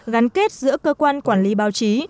gắn kết giữa cơ quan quản lý báo chí